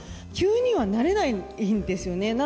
急にはなれないんですよね、